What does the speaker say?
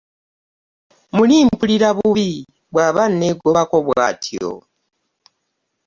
Muli mpulira bubi bwaba anegobako bwatyo .